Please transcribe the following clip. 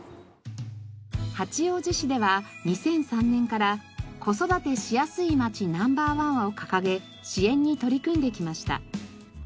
八王子市では２００３年から「子育てしやすいまちナンバーワン」を掲げ支援に取り組んできました。